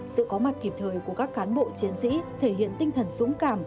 sự có mặt kịp thời của các cán bộ chiến sĩ thể hiện tinh thần dũng cảm